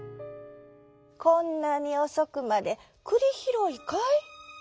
こんなにおそくまでくりひろいかい？」。